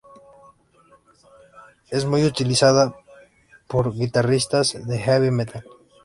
Es muy utilizada por guitarristas de heavy metal.